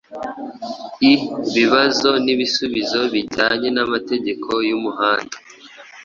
i bibazo n'ibisubizo bijyanye n'amategeko y'umuhanda